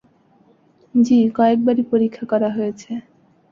জ্বি, কয়েকবারই পরীক্ষা করা হয়েছে।